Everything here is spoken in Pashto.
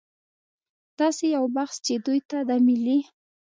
داسې یو بحث چې دوی ته د ملي